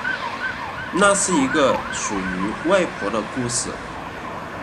那是一个属于外婆的故事